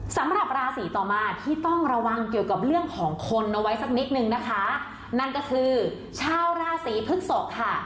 สำหรับราศีต่อมาที่ต้องระวังเกี่ยวกับเรื่องของคนเอาไว้สักนิดนึงนะคะนั่นก็คือชาวราศีพฤกษกค่ะ